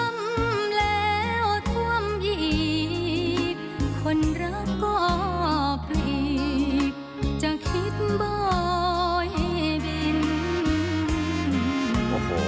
ท่วมแล้วท่วมหยีบคนรักก็อบหลีกจะคิดบ่อยให้เป็น